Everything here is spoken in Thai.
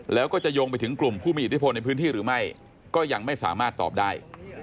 แล้วก็จะโยงไปถึงกลุ่มผู้มีอิทธิพลในพื้นที่หรือไม่ก็ยังไม่สามารถตอบได้